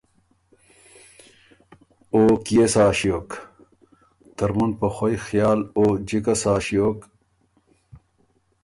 او کيې سا ݭیوک؟ ترمُن په خوئ خیال او جِکه سا ݭیوک